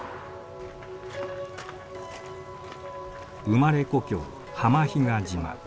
生まれ故郷浜比嘉島。